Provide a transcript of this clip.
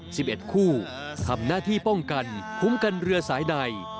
สิบเอ็ดคู่ทำหน้าที่ป้องกันคุ้มกันเรือสายใด